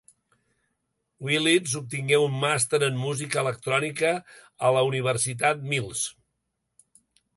Willits obtingué un màster en música electrònica a la Universitat Mills.